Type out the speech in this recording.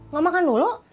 mau makan dulu